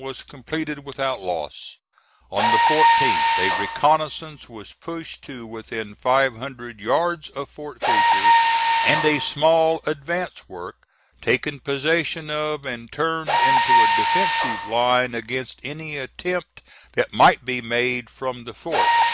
was completed without loss. On the 14th a reconnoissance was pushed to within five hundred yards of Fort Fisher, and a small advance work taken possession of and turned into a defensive line against any attempt that might be made from the fort.